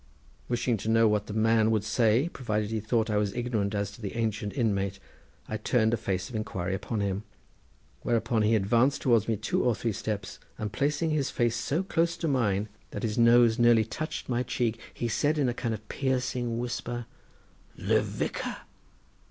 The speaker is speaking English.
Wishing to know what the man would say provided he thought I was ignorant as to the ancient inmate, I turned a face of inquiry upon him; whereupon he advanced towards me two or three steps, and placing his face so close to mine that his nose nearly touched my cheek, he said in a kind of piercing whisper: "The Vicar."